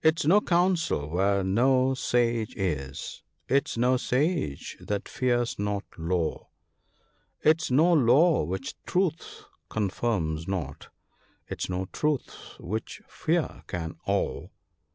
*' 'Tis no Council where no Sage is — 'tis no Sage that fears not Law; 'Tis no Law which Truth confirms not — 'tis no Truth which Fear can awe."